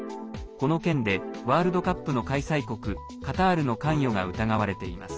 この件でワールドカップの開催国カタールの関与が疑われています。